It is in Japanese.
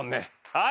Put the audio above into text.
はい。